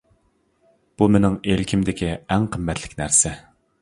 بۇ مېنىڭ ئىلكىمدىكى ئەڭ قىممەتلىك نەرسە.